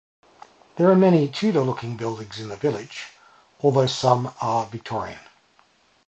There are many Tudor-looking buildings in the village, although some are Victorian.